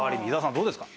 どうですか？